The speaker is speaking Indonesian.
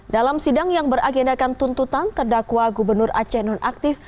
dalam sidang yang beragendakan tuntutan terdakwa gubernur aceh nonaktif